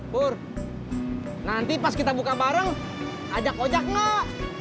pur nanti pas kita buka bareng ajak ajak enggak